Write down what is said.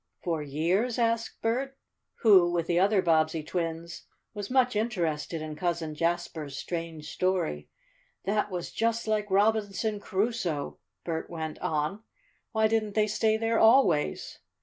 "For years?" asked Bert, who, with the other Bobbsey twins, was much interested in Cousin Jasper's strange story. "That was just like Robinson Crusoe!" Bert went on. "Why didn't they stay there always?"